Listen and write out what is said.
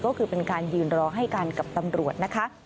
ก็คือเป็นการยืนรอให้กันกับตำรวจนะคะ